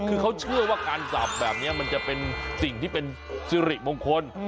คือเขาเชื่อว่าการสับแบบนี้มันจะเป็นสิ่งที่เป็นสิริมงคล